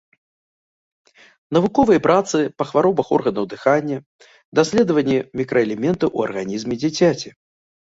Навуковыя працы па хваробах органаў дыхання, даследванні мікраэлементаў у арганізме дзіцяці.